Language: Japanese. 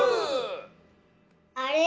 あれ？